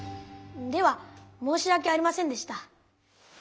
ではもうしわけありませんでした。